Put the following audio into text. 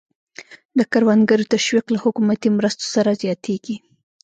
د کروندګرو تشویق له حکومتي مرستو سره زیاتېږي.